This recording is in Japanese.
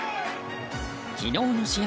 昨日の試合